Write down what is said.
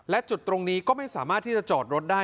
และจุดตรงนี้ก็ไม่สามารถที่จะจอดรถได้